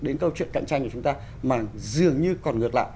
đến câu chuyện cạnh tranh của chúng ta mà dường như còn ngược lại